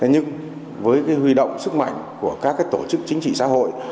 nhưng với huy động sức mạnh của các tổ chức chính trị xã hội